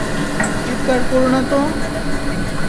চিৎকার করো না তো।